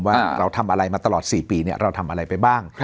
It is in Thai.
ว่าเราทำอะไรมาตลอด๔ปีเราทำอะไรไปบ้าง